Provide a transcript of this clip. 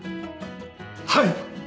はい！